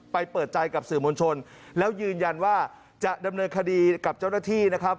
เปิดใจกับสื่อมวลชนแล้วยืนยันว่าจะดำเนินคดีกับเจ้าหน้าที่นะครับ